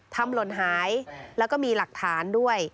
หล่นหายแล้วก็มีหลักฐานด้วย